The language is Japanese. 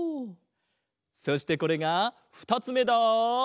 そしてこれがふたつめだ！